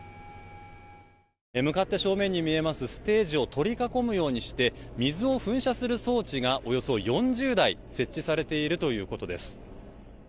向かって、正面に見えますステージを取り囲むようにして水を噴射する装置がおよそ４０台設置されているということです。